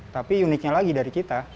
tapi uniknya lagi dari kita